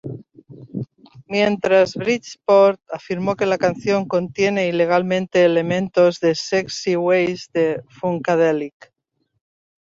Mientras Bridgeport afirmó que la canción contiene ilegalmente elementos de "Sexy Ways" de Funkadelic.